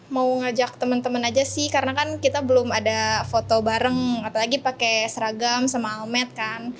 mau ngajak teman teman aja sih karena kan kita belum ada foto bareng apalagi pakai seragam sama almed kan